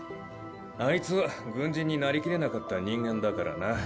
あいつは軍人になりきれなかった人間だからな。